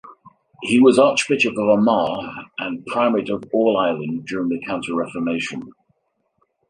He was Archbishop of Armagh and Primate of All Ireland during the Counter Reformation.